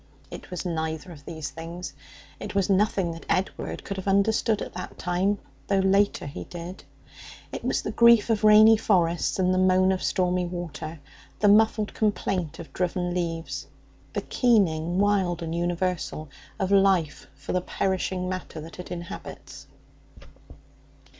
It was neither of those things; it was nothing that Edward could have understood at that time, though later he did. It was the grief of rainy forests, and the moan of stormy water; the muffled complaint of driven leaves; the keening wild and universal of life for the perishing matter that it inhabits.